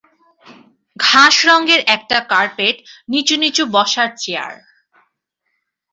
ঘাস রঙের একটা কার্পেট, নিচু-নিচু বসার চেয়ার।